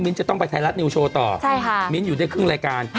มิ้นท์จะต้องไปไทยรัฐนิวโชว์ต่อใช่ค่ะมิ้นท์อยู่ในครึ่งรายการ